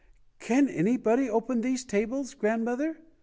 "Can anybody open these tables, grand mother?"